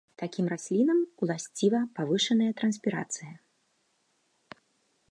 Такім раслінам уласціва павышаная транспірацыя.